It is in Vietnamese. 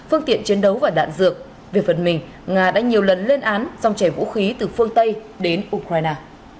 phương tiện chiến đấu và đạn dược về phần mình nga đã nhiều lần lên án dòng chảy vũ khí từ phương tây đến ukraine